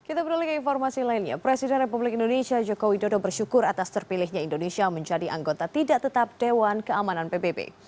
kita beralih ke informasi lainnya presiden republik indonesia joko widodo bersyukur atas terpilihnya indonesia menjadi anggota tidak tetap dewan keamanan pbb